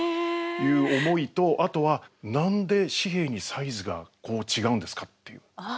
いう思いとあとは何で紙幣にサイズがこう違うんですかっていう。